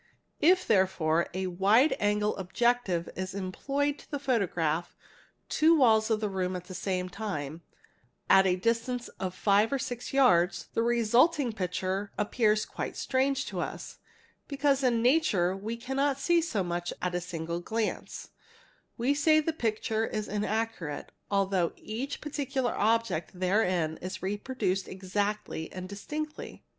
If therefore a "wide angle objective" is employed to photograph two walls of a room at the same time (at a 'distance of five or six yards) the resulting picture appears quite strange to us, because in nature we cannot see so much at a single glance; we say the picture is inaccurate although each particular object therein is reproduced exactly and distinctly.